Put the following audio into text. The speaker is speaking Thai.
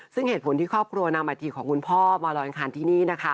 ซึ่งเหตุผลที่ครอบครัวนำอาธิของคุณพ่อมาลอยอังคารที่นี่นะคะ